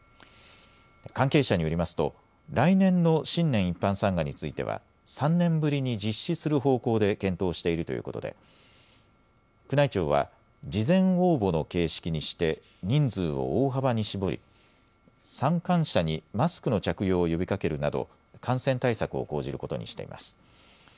関係者によりますと来年の新年一般参賀については３年ぶりに実施する方向で検討しているということで宮内庁は事前応募の形式にして人数を大幅に絞り参観者にマスクの着用を呼びかけるなど感染対策を講じることにしています。